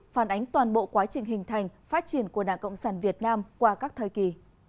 phản ánh toàn bộ quá trình hình thành phát triển của đảng cộng sản việt nam qua các thời kỳ